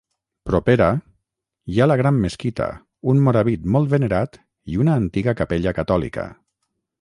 Propera, hi ha la gran mesquita, un morabit molt venerat i una antiga capella catòlica.